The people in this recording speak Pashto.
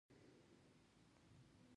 آیا شین چای د پښتنو د میلمستیا پیل نه دی؟